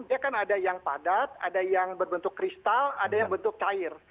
dia kan ada yang padat ada yang berbentuk kristal ada yang bentuk cair